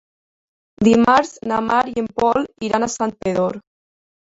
Dimarts na Mar i en Pol iran a Santpedor.